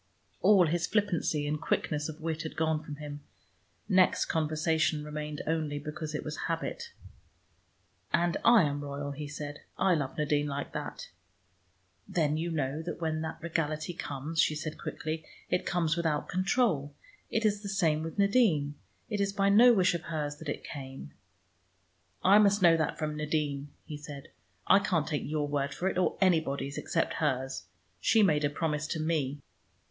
All his flippancy and quickness of wit had gone from him. Next conversation remained only because it was a habit. "And I am royal," he said. "I love Nadine like that." "Then you know that when that regality comes," she said quickly, "it comes without control. It is the same with Nadine; it is by no wish of hers that it came." "I must know that from Nadine," he said. "I can't take your word for it, or anybody's except hers. She made a promise to me."